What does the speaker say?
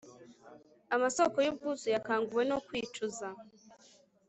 Amasoko yubwuzu yakanguwe no kwicuza